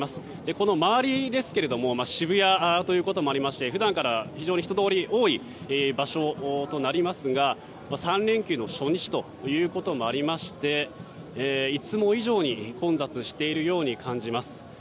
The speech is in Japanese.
この周りですけども渋谷ということもありまして普段から、非常に人通りの多い場所となりますが３連休の初日ということもありましていつも以上に混雑しているように感じます。